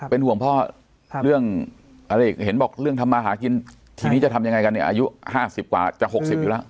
เป็นห่วงพ่อเรื่องอะไรเห็นบอกเรื่องทำมาหากินทีนี้จะทำยังไงกันเนี่ยอายุ๕๐กว่าจะ๖๐อยู่แล้ว